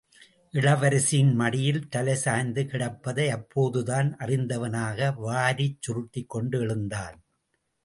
இளவரசியின் மடியில் தலை சாய்த்துக் கிடப்பதை அப்போதுதான் அறிந்தவனாக, வாரிச் சுருட்டிக் கொண்டு எழுந்தான்.